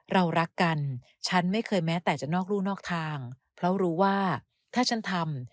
เรารักกันฉันไม่เคยแม้แต่จะนอกรู่นอกทางเพราะรู้ว่าถ้าฉันทำ